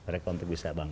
rekon terbisa bangun